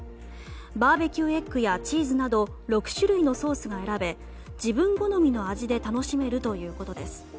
ＢＢＱエッグやチーズなど６種類のソースが選べ自分好みの味で楽しめるということです。